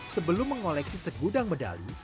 sebelum mengoleksi segudang medali